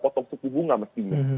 potong suku bunga mestinya